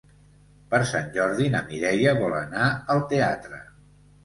Per Sant Jordi na Mireia vol anar al teatre.